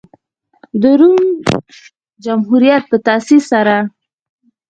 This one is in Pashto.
د روم جمهوریت په تاسیس سره.